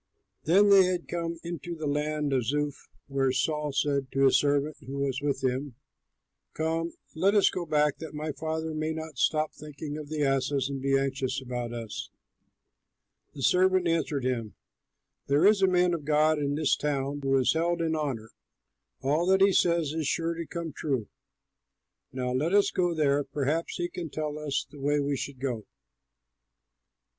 They had come into the land of Zuph when Saul said to his servant who was with him, "Come, let us go back, that my father may not stop thinking of the asses and be anxious about us." The servant answered him, "There is a man of God in this town who is held in honor; all that he says is sure to come true. Now let us go there; perhaps he can tell us the way we should go."